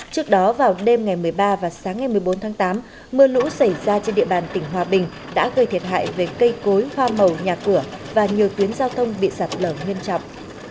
trước đó vào đêm ngày một mươi ba và sáng ngày một mươi bốn tháng tám mưa lũ xảy ra trên địa bàn tỉnh hòa bình đã gây thiệt hại về cây cối hoa màu nhà cửa và nhiều tuyến giao thông bị sạt lở nghiêm trọng